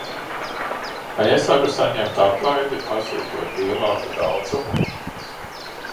Vai es varu saņemt atlaidi, pasūtot lielāku daudzumu?